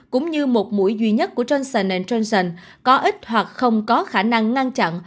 cũng như một mũi duy nhất của johnson johnson có ít hoặc không có khả năng ngăn chặn